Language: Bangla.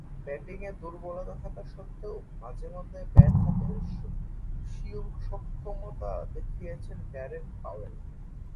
ব্যাটিংয়ে দূর্বলতা থাকা সত্ত্বেও মাঝে-মধ্যে ব্যাট হাতে স্বীয় সক্ষমতা দেখিয়েছেন ড্যারেন পাওয়েল।